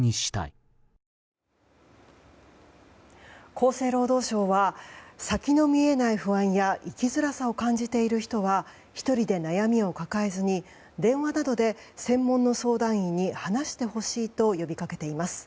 厚生労働省は先の見えない不安や生きづらさを感じている人は１人で悩みを抱えずに電話などで専門の相談員に話してほしいと呼びかけています。＃